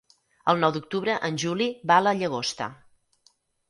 El nou d'octubre en Juli va a la Llagosta.